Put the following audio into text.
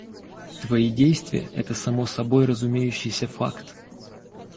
Твои действия это само собой разумеющийся факт.